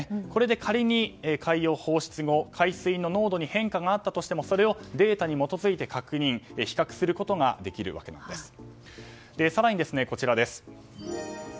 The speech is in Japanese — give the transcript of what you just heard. これで仮に、海洋放出後海水の濃度に変化があったとしてもそれをデータに基づいて確認、比較することができるわけです。